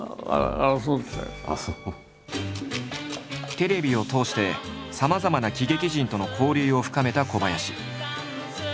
テレビを通してさまざまな喜劇人との交流を深めた小林。